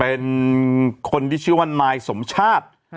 เป็นคนที่ชื่อว่านายสมชาติ